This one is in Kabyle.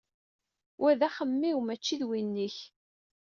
Wa d axemmem-iw mačči d win-ik.